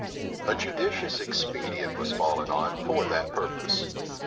A judicious expedient was fallen on for that purpose.